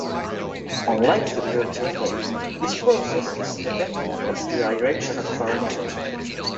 Unlike the Peltier effect, this process is independent of the direction of current flow.